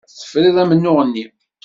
Tefrid amennuɣ-nni.